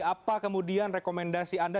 apa kemudian rekomendasi anda